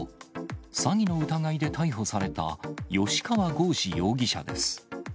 詐欺の疑いで逮捕された吉川剛司容疑者です。